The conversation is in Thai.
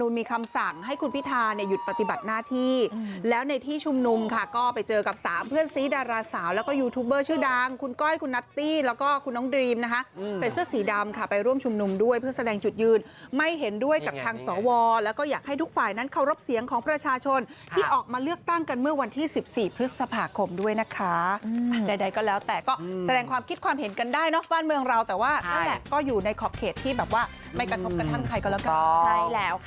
อยากให้คุณพิทาหยุดปฏิบัติหน้าที่แล้วในที่ชุมนุมค่ะก็ไปเจอกับสามเพื่อนซีดาราสาวแล้วก็ยูทูบเบอร์ชื่อดังคุณก้อยคุณนัตตี้แล้วก็คุณน้องดรีมนะคะใส่เสื้อสีดำค่ะไปร่วมชุมนุมด้วยเพื่อแสดงจุดยืนไม่เห็นด้วยกับทางสวแล้วก็อยากให้ทุกฝ่ายนั้นเคารพเสียงของประชาชนที่ออกมาเลือกตั้งกันเมื่อ